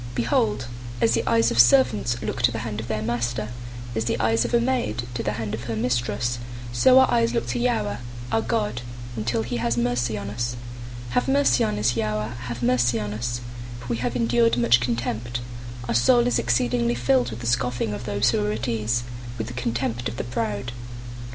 123:002 Behold, as the eyes of servants look to the hand of their master, as the eyes of a maid to the hand of her mistress; so our eyes look to Yahweh, our God, until he has mercy on us. 123:003 Have mercy on us, Yahweh, have mercy on us, for we have endured much contempt. 123:004 Our soul is exceedingly filled with the scoffing of those who are at ease, with the contempt of the proud.